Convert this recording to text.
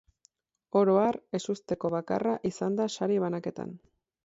Oro har, ezusteko bakarra izan da sari banaketan.